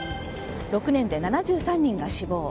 ６年で７３人が死亡。